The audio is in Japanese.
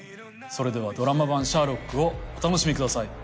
それではドラマ版『シャーロック』をお楽しみください。